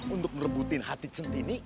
untuk merebutin hati centini